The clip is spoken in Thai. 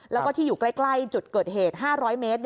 แล้วก็ที่อยู่ใกล้จุดเกิดเหตุ๕๐๐เมตร